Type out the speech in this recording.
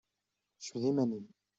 Jbed iman-im!